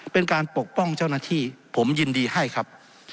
ปกป้องเจ้าหน้าที่ผมยินดีให้ครับ